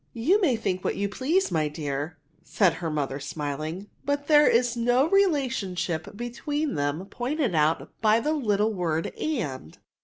'* '^Tou may think what you please, my dear,'' said her mother, smiling, '* but there is no relationship between them pointed out by the little word and.